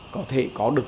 có thể có được